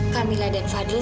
kamilah dan fadil